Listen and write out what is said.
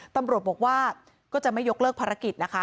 ตำรวจบอกว่าก็จะไม่ยกเลิกภารกิจนะคะ